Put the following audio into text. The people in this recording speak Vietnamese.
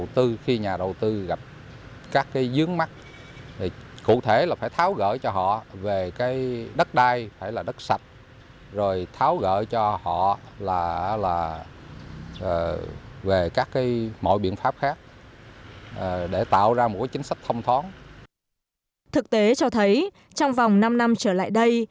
thực tế cho thấy trong vòng năm năm trở lại đây